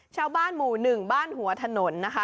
ชาวบ้านหมู่๑บ้านหัวถนนนะคะ